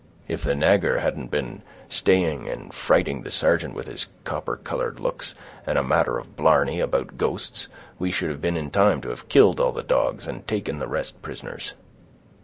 If the nagur hadn't been staying and frighting the sargeant with his copper colored looks, and a matter of blarney 'bout ghosts, we should have been in time to have killed all the dogs, and taken the rest prisoners."